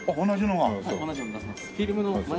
同じのが？